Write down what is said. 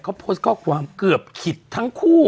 เขาโพสต์ข้อความเกือบขิดทั้งคู่